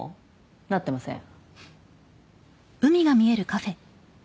なってません